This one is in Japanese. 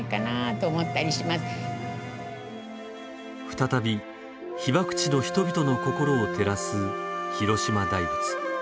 再び、被爆地の人々の心を照らす、広島大仏。